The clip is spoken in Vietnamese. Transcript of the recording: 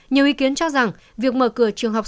nhiều ý kiến cho rằng việc mở cửa trường học